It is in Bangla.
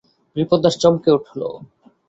বিপ্রদাস চমকে উঠল।